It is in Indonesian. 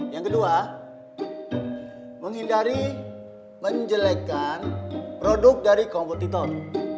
yang kedua menghindari menjelekan produk dari kompetitor